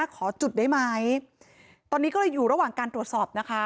ขอจุดได้ไหมตอนนี้ก็เลยอยู่ระหว่างการตรวจสอบนะคะ